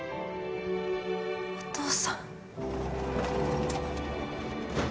お父さん。